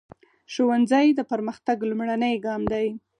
ښوونځی د پرمختګ لومړنی ګام دی.